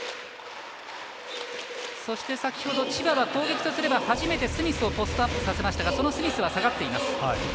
そして先ほど千葉は攻撃とすれば初めてスミスをポストアップさせましたがそのスミスは下がっています。